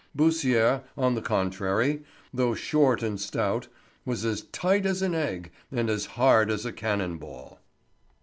Beausire, on the contrary, though short and stout, was as tight as an egg and as hard as a cannon ball.